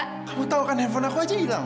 kamu tau kan handphone aku aja ilang